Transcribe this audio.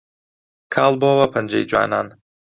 کاڵ بۆوە پەنجەی جوانان